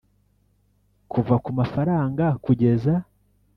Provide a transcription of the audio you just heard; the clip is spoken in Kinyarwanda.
Kuva ku mafaranga kugeza